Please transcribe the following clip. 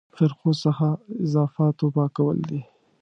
فرقو څخه اضافاتو پاکول دي.